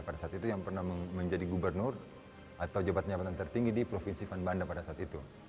pada saat itu yang pernah menjadi gubernur atau jabatan jabatan tertinggi di provinsi vanbanda pada saat itu